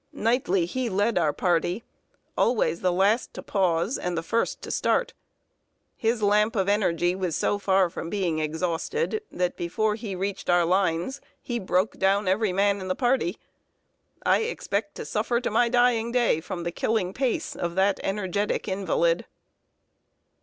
Nightly he led our party always the last to pause and the first to start. His lamp of energy was so far from being exhausted that, before he reached our lines, he broke down every man in the party. I expect to suffer to my dying day from the killing pace of that energetic invalid.